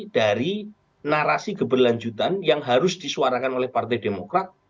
jadi narasi keberlanjutan yang harus disuarakan oleh partai demokrat